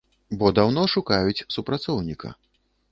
Бо даўно шукаюць супрацоўніка.